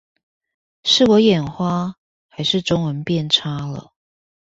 是我眼花還是中文變差了？